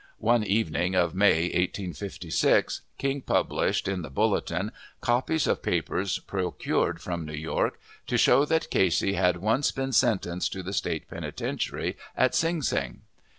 One evening of May, 1856, King published, in the Bulletin, copies of papers procured from New York, to show that Casey had once been sentenced to the State penitentiary at Sing Sing.